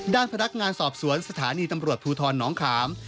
ด้านพนักงานสอบสวนสถานีตำรวจภูทรน้องขาม